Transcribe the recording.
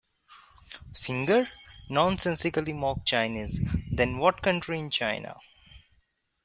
Singer: Nonsensically mock Chinese, then What country in China?